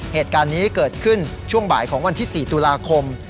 เหตุการณ์นี้เกิดขึ้นช่วงบ่ายของวันที่๔ตุลาคม